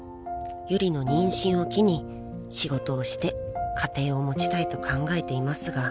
［ユリの妊娠を機に仕事をして家庭を持ちたいと考えていますが］